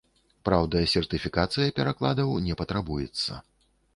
Праўда, сертыфікацыя перакладаў не патрабуецца.